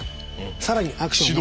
更にアクションを。